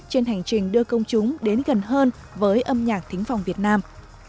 trên hành trình đưa công chúng đến gần hơn với âm nhạc thính phòng việt nam